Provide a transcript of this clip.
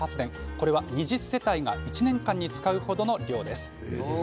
これは２０世帯が１年間に使う程の量です。